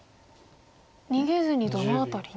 逃げずにどの辺りに。